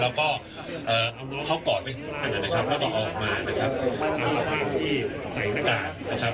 แล้วก็เอาน้องเขากอดไว้ที่บ้านนะครับแล้วก็ออกมานะครับตามสภาพที่ใส่หน้ากากนะครับ